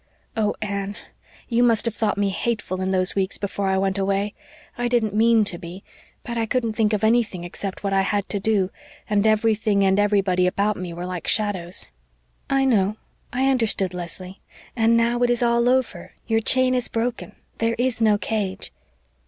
Oh, Anne, you must have thought me hateful in those weeks before I went away. I didn't mean to be but I couldn't think of anything except what I had to do, and everything and everybody about me were like shadows." "I know I understood, Leslie. And now it is all over your chain is broken there is no cage."